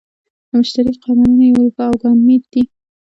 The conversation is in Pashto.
د مشتری قمرونه یوروپا او ګانیمید دي.